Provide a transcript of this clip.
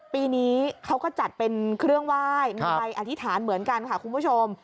ปีนี้เขาก็จัดเป็นเครื่องไหว้มีใบอธิษฐานเหมือนกันค่ะคุณผู้ชม